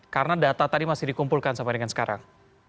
karena data tadi masih dikumpulkan sampai dengan sekarang